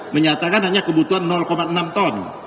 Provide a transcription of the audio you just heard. menyatakan hanya kebutuhan enam ton